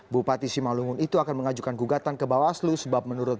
bupati simalungun itu akan mengajukan gugatan ke bawaslu sebab menurut